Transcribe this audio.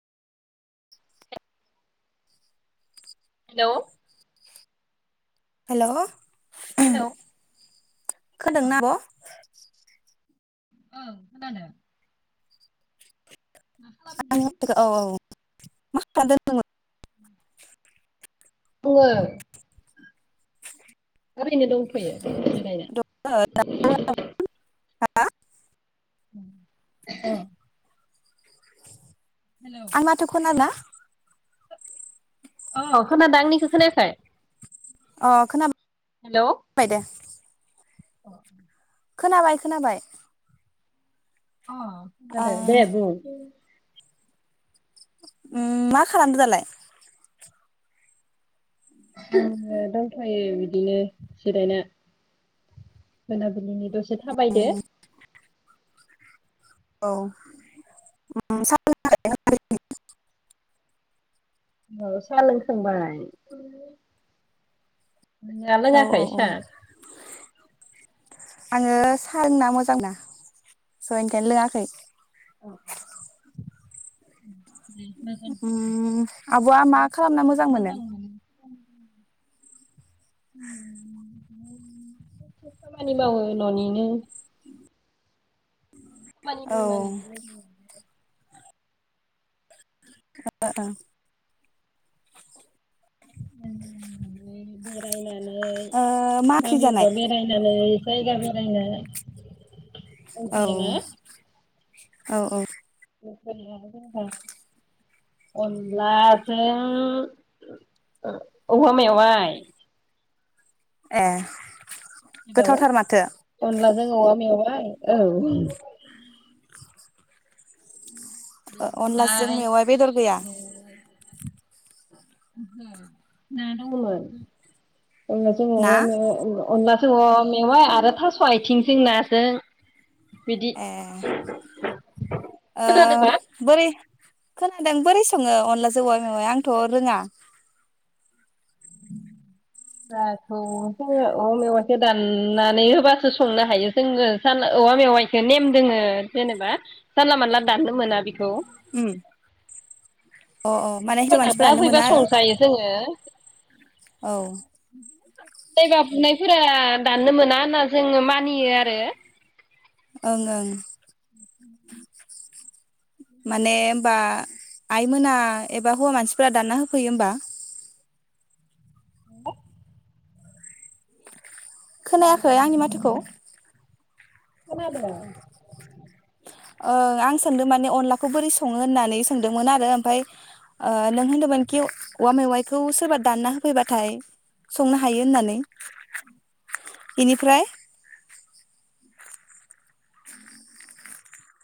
हेल' हेल' खोदोंना आब'? [inaudible] ओं खोनादों [unintelligible] औ औ मा खालामदों [unintelligible] [unintelligible] ओरैनो दों [unintelligible] हा [unintelligible] आंनाथ' खोना औ खोनादों आंनिखौ खोनायाखै। अ खोना हेलौ खोनाबाय खोनाबाय अ ओ खोनादो दे बुं उम मा खालामदो दालाय? दंथ'यो बिदिनो जिरायना मोनाबिलिनि दसे थाबायदो औ [unintelligible] औ साहा लोंखांबाय नोंङा औ लोङाखै औ औ सा? आङो सा लोंना मोजां मोना स ओनखायनो लोङाखै। [unintelligible] ओम आब'आ मा खालामना मोजां मोनो? खामानि मावो न'निनो औ ओ [unintelligible] [unintelligible] [unintelligible] नानै बेरायनानै मा ओंख्रि जानाय? माबियावबा बेरायनानै जायगा बेरायनो औ [unintelligible] औ औ [unintelligible] अन्लाजों औवा मेवाय ए हेलौ गोथावथार माथो अनला औवा मेवाय औ अनलाजों बिनिफ्राय मेवाइ बेदर गैया ओ [unintelligible] अनला जों ना औवा मेवाय औ अनला थ मेवा आरो थास' आथिं जों नाजों बिदि ए ओ खोनादोंबा बोरै खोनादों बोरै सङो अनला जों औवा मेवाय? आंथ' रोङा। जाखौ जोङो औवा मेवाइखौ दाननानै होबासो संनो हायो जोङो जान औवा मेवाइखौ नेम दोङो जेनेबा जानला मानला दाननो मोना। बेखौ उम। अ अ माने हिनजाव सोरबा दान्ना मानसिफोरानो मोना होफैबा आरो संजायो जोङो। औ जायबा बुनायफोरा दाननो मोना होनना जोङो मानियो आरो। ओं ओं माने होमबा आइमोना एबा हौवा मानसिफोरा दानना होफैयो ओमबा [inaudible] खोनायाखै आंनि माथोखौ? खोनादो? ओं आं सोंदों माने अनलाखौ बोरै सङो होननानै सोंदोंमोन आरो ओमफाय ओ नों होनदोंमोनखि औवा मेवाइखौ सोरबा दानना होफैबाथाय संनो हायो होननानै। बिनिफ्राय? [inaudible]